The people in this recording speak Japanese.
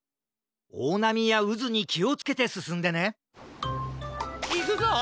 おおなみやうずにきをつけてすすんでねいくぞ！